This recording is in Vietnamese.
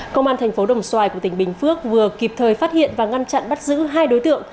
công an thành phố đồng xoài của tỉnh bình phước vừa kịp thời phát hiện và ngăn chặn bắt giữ hai đối tượng